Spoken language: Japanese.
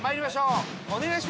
お願いします。